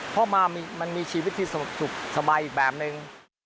เพราะมามันมีชีวิตที่สุขสบายอีกแบบนึง